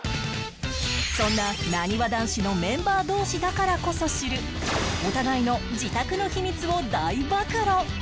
そんななにわ男子のメンバー同士だからこそ知るお互いの自宅の秘密を大暴露！